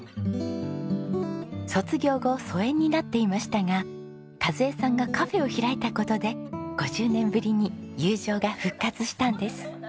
卒業後疎遠になっていましたが和枝さんがカフェを開いた事で５０年ぶりに友情が復活したんです。